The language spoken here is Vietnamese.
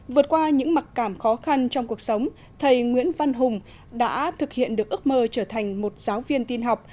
vượt qua những mặc cảm khó khăn trong cuộc sống thầy nguyễn văn hùng đã thực hiện được ước mơ trở thành một giáo viên tin học